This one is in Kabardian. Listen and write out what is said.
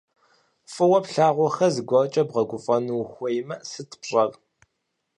Фӏыуэ плъагъухэр зыгуэркӏэ бгъэгуфӏэну ухуеймэ, сыт пщӏэр?